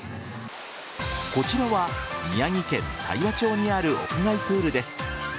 こちらは、宮城県大和町にある屋外プールです。